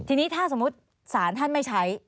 ทีนี้ถ้าสมมุติศาลท่านไม่ใช้